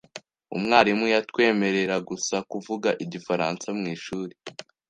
Umwarimu yatwemerera gusa kuvuga igifaransa mwishuri .